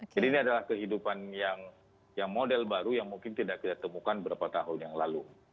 jadi ini adalah kehidupan yang model baru yang mungkin tidak kita temukan berapa tahun yang lalu